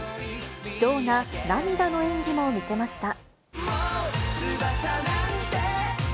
貴重な涙の演技も見せました。